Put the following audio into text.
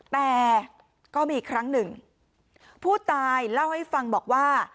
แต่ก็มีครั้งหนึ่งผู้ตายเล่าให้ฟังบอกว่า